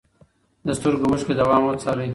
د سترګو اوښکې دوام وڅارئ.